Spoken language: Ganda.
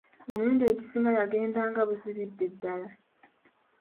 Emirundi egisinga yagendanga buzibidde ddala.